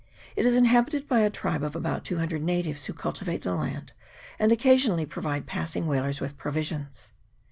It is inhabited by a tribe of about two hundred natives, who cultivate the land, and occa sionally provide passing whalers with provisions.